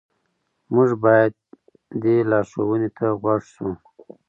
موږ باید دې لارښوونې ته غوږ شو.